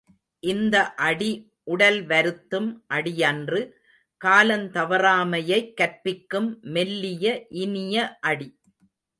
இந்த அடி உடல் வருத்தும் அடியன்று காலந் தவறாமையைக் கற்பிக்கும் மெல்லிய இனிய அடி.